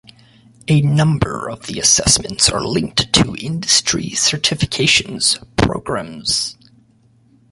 A number of the assessments are linked to industry certifications programs.